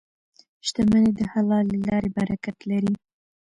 • شتمني د حلالې لارې برکت لري.